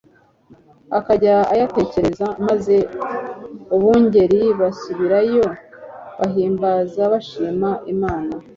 akajya ayatekereza. Maze abungeri basubirayo bahimbaza, bashima Imana.